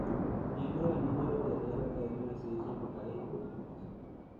Miembro de número de Real Academia de Ciencias Morales y Políticas.